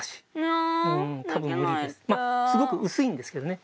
すごく薄いんですけどね